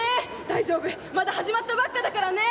大丈夫まだ始まったばっかだからね！